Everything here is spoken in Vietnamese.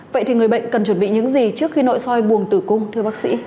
vậy thì người bệnh cần chuẩn bị những gì trước khi nội soi buồng tử cung thưa bác sĩ